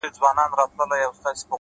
ولي مي هره شېبه هر ساعت په غم نیس!